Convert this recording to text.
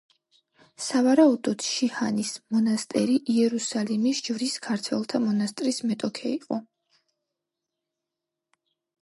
სავარაუდოდ შიჰანის მონასტერი იერუსალიმის ჯვრის ქართველთა მონასტრის მეტოქი იყო.